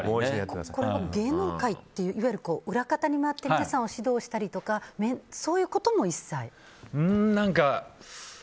芸能界引退っていわゆる裏方に回って皆さんを指導したりとかそういうことも一切？